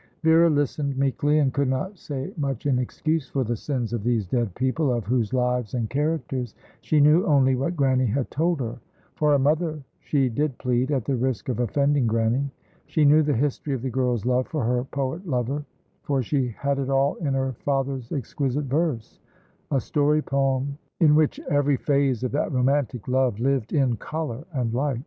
Vera listened meekly, and could not say much in excuse for the sins of these dead people, of whose lives and characters she knew only what Grannie had told her. For her mother she did plead, at the risk of offending Grannie. She knew the history of the girl's love for her poet lover; for she had it all in her father's exquisite verse; a story poem in which every phase of that romantic love lived in colour and light.